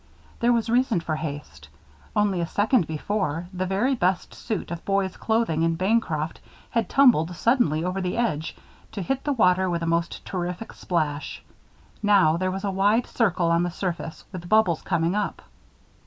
There was reason for haste. Only a second before, the very best suit of boys' clothing in Bancroft had tumbled suddenly over the edge to hit the water with a most terrific splash. Now, there was a wide circle on the surface, with bubbles coming up.